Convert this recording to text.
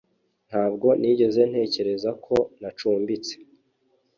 ntabwo nigeze ntekereza ko nacumbitse